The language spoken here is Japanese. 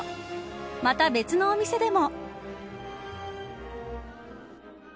また、別のお店でも。